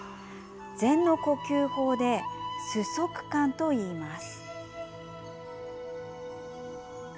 禅の呼吸法で数息観といいます。